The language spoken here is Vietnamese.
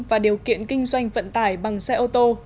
và điều kiện kinh doanh vận tải bằng xe ô tô